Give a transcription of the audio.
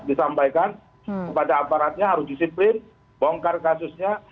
disampaikan kepada aparatnya harus disiplin bongkar kasusnya